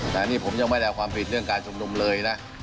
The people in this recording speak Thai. แต่นี่ผมยังไม่ได้เอาความผิดเรื่องการชุมนุมเลยนะ